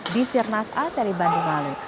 di sirnas a seri bandung lalu